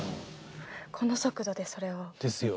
この速度でそれを？ですよ。